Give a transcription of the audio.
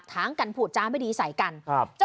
สุดทนแล้วกับเพื่อนบ้านรายนี้ที่อยู่ข้างกัน